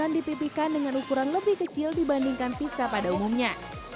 masukkan ke dalam panci dan masukan dengan ukuran lebih kecil dibandingkan pizza pada umumnya